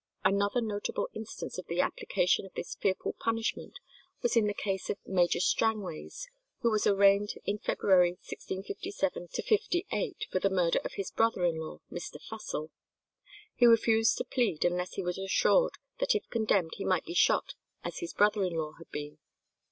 Another notable instance of the application of this fearful punishment was in the case of Major Strangways, who was arraigned in February, 1657 58, for the murder of his brother in law Mr. Fussell. He refused to plead unless he was assured that if condemned he might be shot as his brother in law had been.